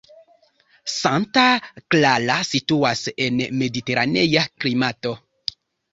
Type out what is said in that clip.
Santa Clara situas en mediteranea klimato.